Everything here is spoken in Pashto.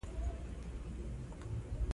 د ماشومانو روغتیا د والدینو لومړیتوب دی.